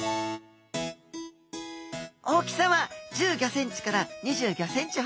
大きさは１５ｃｍから２５ｃｍほど。